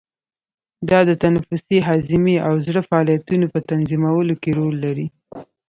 دا د تنفسي، هضمي او زړه فعالیتونو په تنظیمولو کې رول لري.